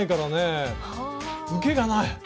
受けがない！